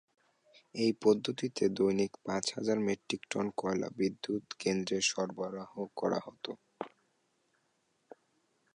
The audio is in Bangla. এই পদ্ধতিতে দৈনিক পাঁচ হাজার মেট্রিক টন কয়লা বিদ্যুৎ কেন্দ্রে সরবরাহ করা হত।